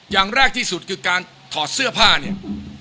อย่างแรกที่สุดคือการถอดเสื้อผ้าเนี่ย